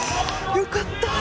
よかったー